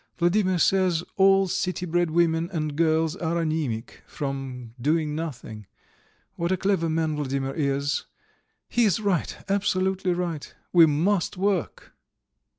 "Vladimir says all city bred women and girls are anæmic from doing nothing. What a clever man Vladimir is! He is right, absolutely right. We must work!"